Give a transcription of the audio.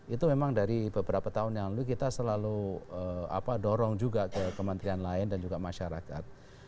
itu memang dari beberapa tahun yang lalu kita selalu dorong juga ke kementerian lain dan juga masyarakat